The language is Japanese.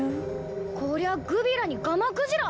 こりゃグビラにガマクジラ！